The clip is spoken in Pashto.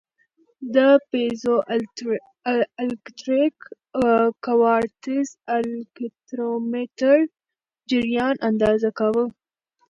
د پیزوالکتریک کوارتز الکترومتر جریان اندازه کاوه.